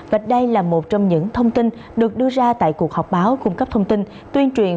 và đây là một trong những thông tin được đưa ra tại cuộc họp báo cung cấp thông tin tuyên truyền